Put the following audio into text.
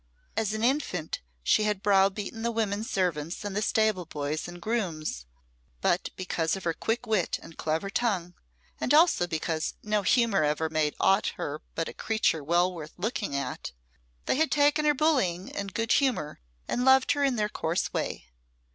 As an infant she had browbeaten the women servants and the stable boys and grooms; but because of her quick wit and clever tongue, and also because no humour ever made her aught but a creature well worth looking at, they had taken her bullying in good humour and loved her in their coarse way.